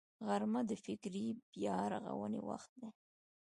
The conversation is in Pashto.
غرمه د فکري بیا رغونې وخت دی